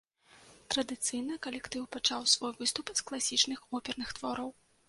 Традыцыйна калектыў пачаў свой выступ з класічных оперных твораў.